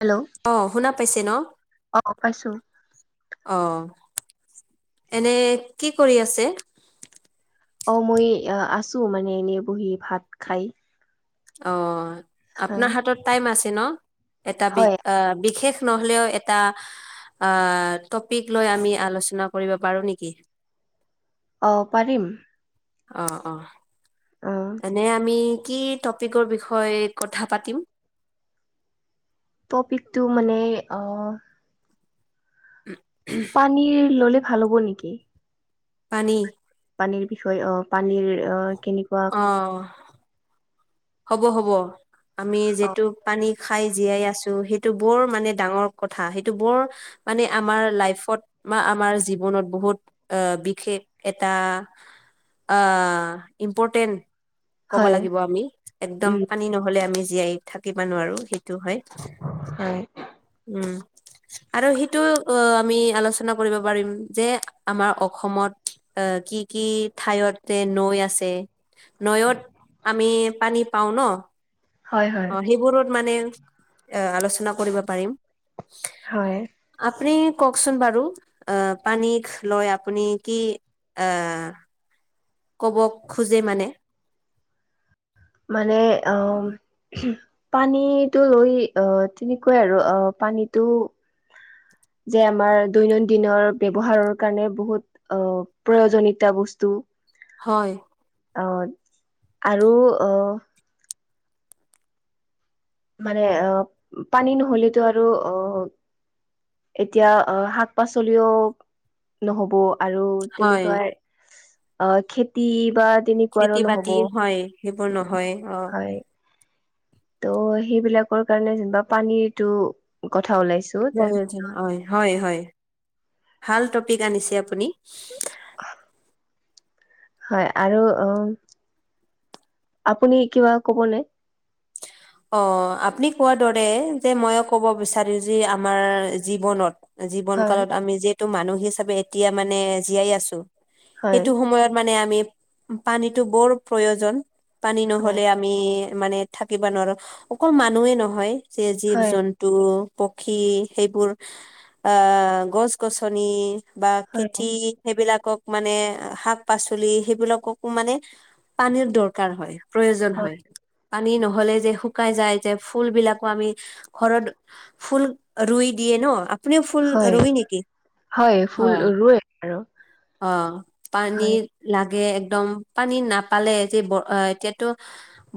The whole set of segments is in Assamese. হেল্ল' অ শুনা পাইছে ন। অ পাইছোঁ। অ এনে কি কৰি আছে? অ মই আছোঁ মানে এনেই বহি ভাত খাই। অ আপোনাৰ হয় হাতত টাইম আছে ন এটা বি হয় বিশেষ। নহ'লেও এটা। আহ টপিক লৈ আমি আলোচনা কৰিব পাৰোঁ নেকি? অ পাৰিম। অ অ অ এনেই আমি। কি টপিকৰ বিষয়ে কথা পাতিম। টপিকটো মানে অ- পানীৰ ললে ভাল হ'ব নেকি? পানী পানীৰ বিষয়ে অ পানীৰ অ- কেনেকুৱা অ হ'ব হ'ব আমি অ যিহেতু পানী খাই জীয়াই আছোঁ সেইটো বৰ মানে ডাঙৰ কথা সেইটো বৰ মানে আমাৰ লাইফত। বা আমাৰ জীৱনত বহুত আহ বিশেষ এটা অ ইনপৰ্টেন ক'ব হয় লাগিব আমি একদম উম পানী নহ'লে আমি জীয়াই থাকিব নোৱাৰো সে- টো হয় হয় উম। আৰু সেইটো অ আমি আলোচনা কৰিব পাৰিম যে আমাৰ অসমত। অ কি কি ঠাইয়তে নৈ আছে। নৈয়ত আমি পানী পাওঁ ন। হয় হয়। অ' সেইবোৰত মানে এ আলোচনা কৰিব পাৰিম হয় আপুনি - কওঁকচোন বাৰু আহ পানীক লৈ আপুনি কি এ ক'ব' খোজে মানে। মানে অ পানীটো লৈ আহ তেনেকুৱাই আৰু অ পানীটো। যে আমাৰ দৈনন্দিনৰ ব্যৱহাৰৰ কাৰণে বহুত আহ প্ৰয়োজনীতা বস্তু। হয়। আহ আৰু আহ। মানে আহ পানী নহলেতো আৰু অ এতিয়া অ শাক পাচলিও নহ'ব। আৰু হয় তেনেকুৱাই অ খেতি বা- তেনেকুৱা খেতি নহ'ব বাতি হয় সেইবোৰ নহয় অ' হয়। ত' সেইবিলাকৰ কাৰণে যেনিবা পানীৰটো কথা ওলাইছো য় হয় হয় হয় ভাল টপিক আনিছে আপুনি। হয় আৰু অ আপুনি কিবা কবনে। অ আপুনি কোৱাৰ দৰে যে মইো ক'ব বিচাৰি যে আমাৰ জীৱনত জীৱন হয় কালত আমি যিহেতু মানুহ হিচাপে এতিয়া মানে জীয়াই আছো। হয় সেইটো সময়ত মানে আমি পানীতটো বৰ প্ৰয়োজন। পানী হয় নহলে আমি মানে থাকিব নোৱাৰো অকল মানুহয়ে নহয়। স জীৱ হয় জন্তু পক্ষী সেইবোৰ আ গছ -গছনি। বা হয় খেতি সেইবিলাকক মানে শাক পাচলি সেইবিলাককো মানে পানীৰ দৰকাৰ হয়। প্ৰয়োজন হয় পানী নহলে যে। শুকাই যায় যে ফুল বিলাকো আমি ঘৰত ফুল ৰুই দিয়ে ন। আপনি ফুল হয় ৰই নেকি হয় অ। ফুল ৰুৱে আৰু অ হয় পানীৰ লাগে এক। দম পানী নাপালে যে ব এতিয়াতো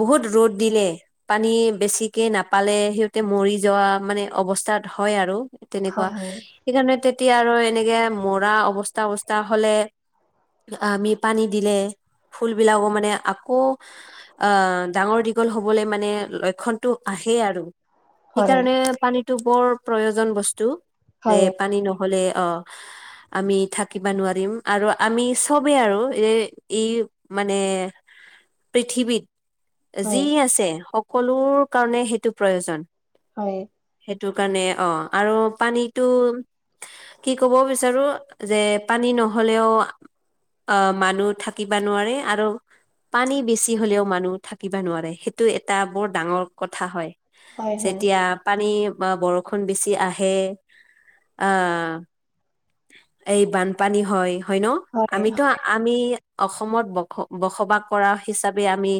বহুত ৰ'দ দিলে। পানী বেছিকে নাপালে সিহঁতে মৰি যোৱা মানে অৱস্থাত হয় আৰু। তেনেকুৱা হয় হয় সেইকাৰণে তেতিয়া আৰু এনেকে মৰা অৱস্থা অৱস্থা হলে। আমি পানী দিলে। ফুলবলাকো মানে আকৌ অ ডাঙৰ দীঘল হ'বলে মানে। মানে লক্ষণতটো আহে আৰু হয় সেইকাৰণে পানীতটো বৰ প্ৰয়োজন বস্তু। যে হয় পানী নহলে অ। আমি থাকিব নোৱাৰিম আৰু আমি চবেই আৰু এ ই মানে। পৃথিৱীত যি হয় আছে সকলো কাৰণে সেইটো প্ৰয়োজন। হয়। সেইটো কাৰণে অ আৰু পানীতটো। কি কব বিচাৰো যে পানী নহলেও। অ মানুহ থাকিবা নোৱাৰে আৰু। পানী বেছি হলেও মানুহ থাকিব নোৱাৰে সেইটো। এটা বৰ ডাঙৰ কথা হয় হয় হয় যেতিয়া পানী। বা বৰষুণ বেছি আহে অ। এই বানপানী হয় হয় ন হয় আমিতো আমি। অসমত বস বসবাস কৰা হিচাপে আমি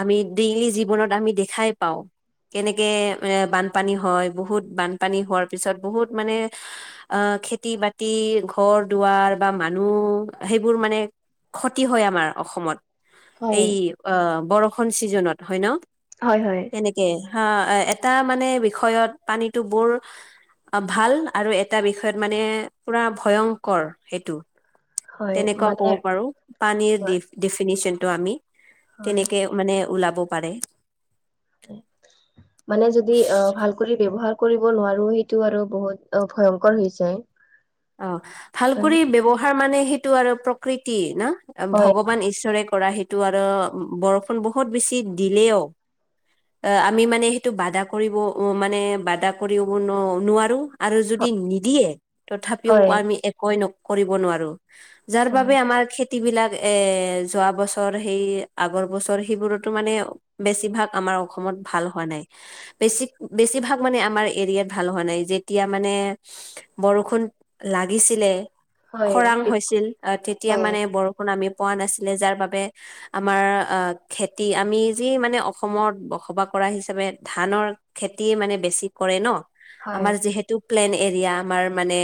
আমি ডেইলি। জীৱনত আমি দেখাই পাওঁ। কেনেকে এ বানপানী হয় বহুত বানপানী হোৱাৰ পিছত বহুত মানে অ। খেতি বাতি ঘৰ দুৱাৰ বা মানুহ সেইবোৰ মানে। ক্ষতি হয় আমাৰ অসমত। হয় এই অ বৰষুণ চিজনত হয় ন হয় হয় তেনেকে। অ এটা মানে বিষয়ত পানীতটো বৰ। ভাল আৰু এটা বিষয়ত মানে পুৰা ভয়ংকৰ সেইটো। হয় তেনেকুৱা ক'ব মানে পাৰো পানীৰ হয় ডিফিনেশ্যন টো আমি। হয় তেনেকে মানে ওলাব পাৰে। উম। মানে যদি আহ ভাল কৰি ব্যৱহাৰ কৰিব নোৱাৰো সেইটো আৰু বহুত ভয়ংকৰ হৈ হৈছোয়। অ ভাল কৰি ব্যৱহাৰ মানে সেইটো আৰু প্ৰকৃতি না। হয় ভগৱান ঈশ্বৰে কৰা সেইটো আৰু বৰষুণ বহুত বেছি দিলেও। অ আমি মানে সেইটো বাধা কৰিব মানে বাধা কৰিব নোৱাৰো আৰু যদি। নিদিয়ে তথাপিও হয় আমি একেই নকৰি নোৱাৰো যাৰ হয় বাবে আমাৰ খেতি। য বিলাক এ যোৱা বছৰ সেই আগৰ বছৰ সেইবোৰতো মানে বেছিভাগ আমাৰ। অসম ভাল হোৱা নাই। বেছি ভাগ আমাৰ এৰিআত ভাল হোৱা নাই তেতিয়া মানে। বৰষুণ। ষুণ লাগিছিলে হয় খৰাং হৈছিল তেতিয়া হয় মানে বৰষুণ আমি। পোৱা নাছিলে যাৰ বাবে আমাৰ খেতি আমি যি মানে অসমতা বসবাস কৰা হিচাপে ধানৰ খেতি মানে বেছি কৰে ন। হয় আমাৰ যিহেতু প্লেন এৰিয়া আমাৰ মানে।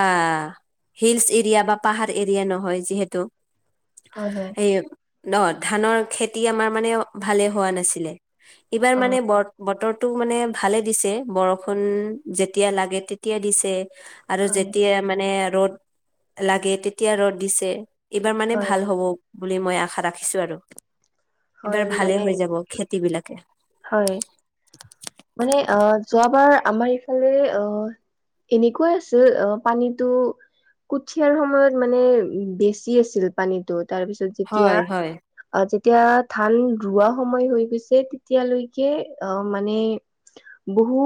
আহ শিলচ এৰিয়া বা পাহাৰ এৰিয়া নহয় যিহেতু। হয় হয়। এই ন ধানৰ খেতি আমাৰ মানে ভালে অ অ মানে ভালে দিছে বৰষুণ যেতিয়া লাগে তেতিয়া দিছে। আৰু হয় যেতিয়া মানে ৰ'দ লাগে তেতিয়া ৰ'দ দিছে। এইবাৰ মানে হয় ভাল হব বুলি মই আশা ৰাখিছো আৰু। এইবাৰ হয় ভালে মানে হৈ যাব খেতি বিলাকে। হয় মানে অহ যোৱাবাৰ আমাৰ এইফালে অহ। এনেকুৱাই আছিল অহ পানীতটো কঠিয়াৰ সময়ত মানে বেছি আছিল পানীটোত। তাৰপিছত যেতিয়া হয় হয় অহ যে। এতিয়া ধান ৰোৱা সময় হৈ গৈছে তেতিয়ালৈকে অহ মানে। বহু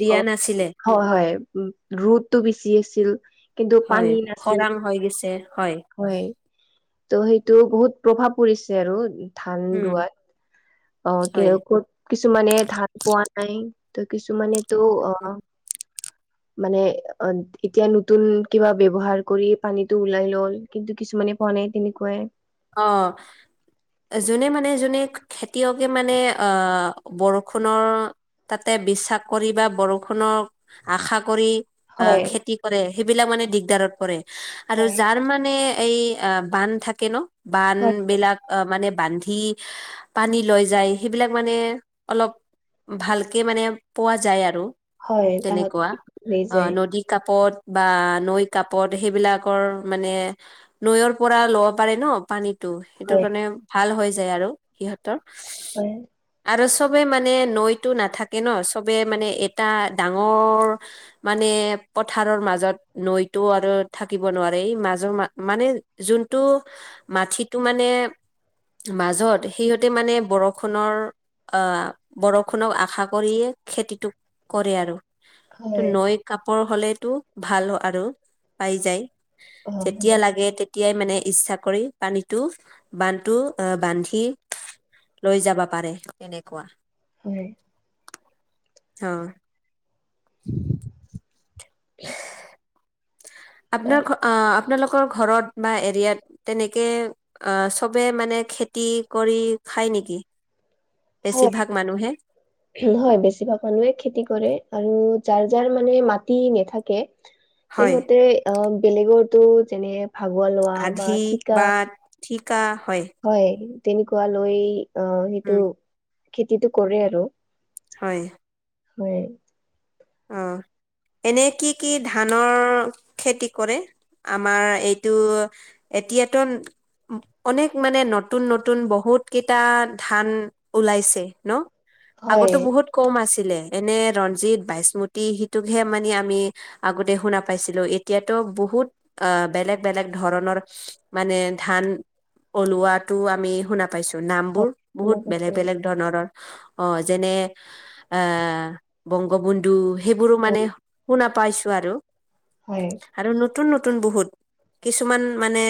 দিয়া অহ নাছিলে হয় হয় উম ৰ'দটো বেছি আছিল। কিন্তু হয় পানী নাছিল খৰাং হৈ গৈছে হয় তো সেইটো বহুত প্ৰভাৱ পৰিছে আৰু ধান উম ৰোৱাত। অহ কি হয় কিছুমানে ধান পোৱা নাই ত কিছুমানেতো অ। উম। মানে অক্ষ এতিয়া নতুন কিবা ব্যৱহাৰ কৰি পানীটো উওলাই লয় কিন্তু কিছুমান। পোৱা নাই তেনেকুৱাই। অহ। জোনে মানে জোনে খেতিয়কে মানে অহ বৰষুণৰ তাতে বিশ্বাস কৰি বা বৰষুণক আশা কৰি। অহ হয় খেতি কৰে সেইবিলাক মানে দিগদাৰত পৰে আৰু হয় যাৰ মানে। এই অ বান্ধ থাকে ন বান্ধ হয় বিলাক অ মানে। বান্ধি পানী লৈ যায় সেইবিলাক মানে অলপ। ভালকে মানে পোৱা যায় আৰু হয় তাহত তেনেকুৱা লৈ অ যায় নদী কাপত। বা নৈ কাপত সেইবিলাকৰ মানে নৈৰ পৰা ল'ব পাৰে ন পানীত। ত সেইটো হয় কাৰণে ভাল হৈ যায় আৰু সিহঁতৰ। হয়। আৰু চবে মানে নৈতো নাথাকে ন চবে মানে এটা ডাঙৰ মানে। এ পথাৰৰ মাজত নৈতো আৰু থাকিব নোৱাৰি মাজৰ ম মানে যোনটো। মাটিটো মানে মাজত সিহঁতে মানে বৰষুণৰ। আ বৰষুণক আশা কৰিয়ে খেতিটো কৰে আৰু। ত হয় নৈ কাপোৰ হলেটো ভাল আৰু পাই যায়। অ যেতিয়া হয় লাগে তেতিয়াই মানে ইচ্ছা কৰি। পানীটো বানটো আহ বান্ধি লৈ যাব পাৰে তেনেকুৱা। হয়। অ। [unintelligible] আপোনাৰ ঘ আ। আপোনালোকৰ ঘৰত বা এৰিয়াত তেনেকে চবে মানে খেতি কৰি। খাই নেকি? হয় বেছিভাগ মানুহে হয় বেছিভাগ মানুহে খেতি কৰে আৰু। যাৰ যাৰ মানে মাটি নেথাকে হয় তেহঁতে অ বেলেগতো যেনে। ভাগৰ লোৱা বা আধি ঠিকা। বা হয় তেনেকুৱা লৈ অ সেইটো উম খেতিটো কৰে আৰু। হয়। হয়। অ এনে কি কি ধানৰ খেতি কৰে। আমাৰ এইটো এতিয়াতো। অনেক মানে নতুন নতুন বহুত কেইটা ধান ওলাইছে ন। হয় আগতো বহুত কম আছিলে এনে ৰঞ্জিত বাইচ। স্মুতি সিটোকহে মানে আমি আগতে শুনা পাইছিলো এতিয়াাতো বহুত অ বেলেগ বেলেগ। এই বিলাক ধৰণৰ মানে ধান ওলোৱাতটো আমি শুনা পাইছো নাম বোৰ হয় শুনা বহুত পাইছো বেলেগ বেলেগ ধৰণৰ। অ যেনে এ বংগবুন্ধু। সেইবোৰো মানে হয় শুনা পাইছো আৰু। হয়। আৰু নতুন নতুন বহুত কিছুমান মানে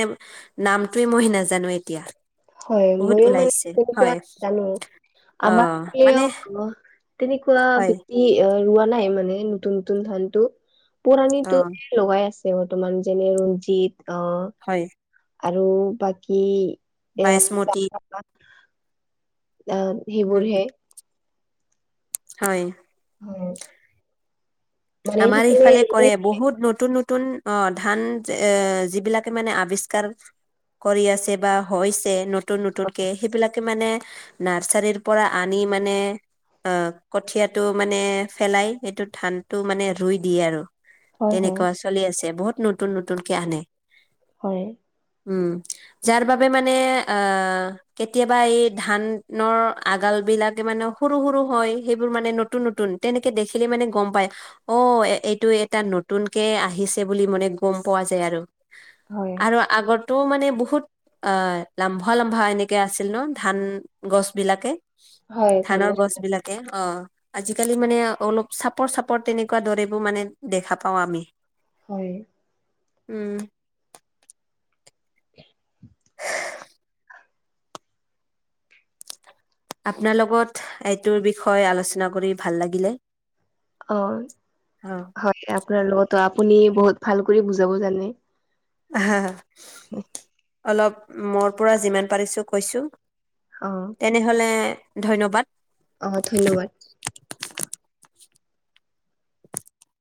নামটোৱে মই নাজানো এতিয়া। হয় বহুত মইও মানে ওলাইছে কনে কোৱা হয় জানো অ আমাৰ ফালেও মানে তেনেকুৱা হয় ব্যক্তি ৰোৱা নাই মানে নতুন নতুন ধান টো অ পোৰণিটো লগাই আছে বৰ্তমান যেনে ৰঞ্জিত আহ হয় আৰু বাকী এ বাইচমতি আম উম সেইবোৰহে হয় হয় মানে আমাৰ সেইফালে ইফালে কৰে এইবোৰে বহুত নতুন নতুন অ ধান যে যিবিলাকে মানে আৱিষ্কাৰ কৰি আছে বা হৈছে নতুন নতুনকে সেইবিলাকে মানে নাৰ্চাৰীৰ পৰা আনি মানে অ কঠিয়াটো মানে ফেলাই সেইটো ধান টো মানে ৰুই দিয়ে আৰু হয় হয় তেনেকুৱা চলি আছে বহুত নতুন নতুনকে আনে হয় উম যাৰ বাবে মানে আ কেতিয়াবা এই ধানৰ আগাল বিলাকে মানে সৰু সৰু হয় সেইবোৰ মানে নতুন নতুন তেনেকে দেখিলে মানে গম পায় অ এইটো এটা নতুনকে আহিছে বুলি মানে গম পোৱা যায় আৰু হয় হয় আৰু আগত টো মানে বহুত আ লাম্ভা লম্ভা এনেকে আছিল ন ধান গছ বিলাকে হয় ধান ধানৰ গছ বিলাক বিলাকে অ আজিকালি মানে অলপ চাপৰ চাপৰ পৰ তেনেকুৱা দৰেবোৰ মানে দেখা পাও আমি হয় উম আপোনাৰ লগত এইটোৰ বিষয়ে আলোচনা কৰি ভাল লাগিলে অ অ হয় আপোনাৰ লগতো আপুনি বহুত ভাল কৰি বুজাব জানে হা [unintelligible] অলপ মোৰ পৰা যিমান পাৰিছো কৈছো অ তেনেহলে ধন্যবাদ অ ধন্যবাদ